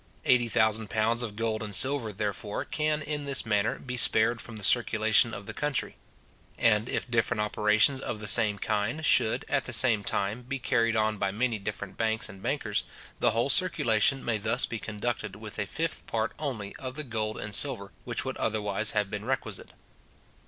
Eighty thousand pounds of gold and silver, therefore, can in this manner be spared from the circulation of the country; and if different operations of the same kind should, at the same time, be carried on by many different banks and bankers, the whole circulation may thus be conducted with a fifth part only of the gold and silver which would otherwise have been requisite.